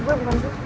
ibu dari mana aja